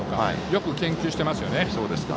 よく研究してますよね。